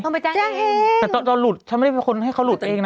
เอาไปจังเองจังเองเห็นไหมแต่ตอนหลุดฉันไม่ได้ไปเป็นคนให้เขาหลุดเองนะ